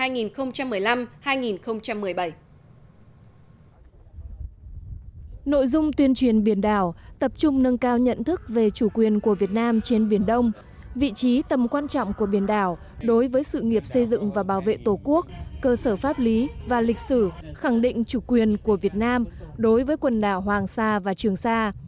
nội dung tuyên truyền biển đảo tập trung nâng cao nhận thức về chủ quyền của việt nam trên biển đông vị trí tầm quan trọng của biển đảo đối với sự nghiệp xây dựng và bảo vệ tổ quốc cơ sở pháp lý và lịch sử khẳng định chủ quyền của việt nam đối với quần đảo hoàng sa và trường sa